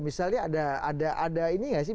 misalnya ada ini nggak sih